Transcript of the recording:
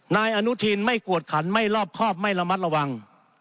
นายอนุทินไม่กวดขันไม่รอบครอบไม่ระมัดระวัง